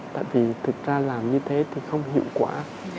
tại vì thực ra làm như thế thì không hiệu quả